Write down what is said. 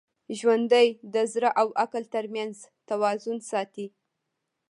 ژوندي د زړه او عقل تر منځ توازن ساتي